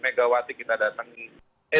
megawati kita datang ke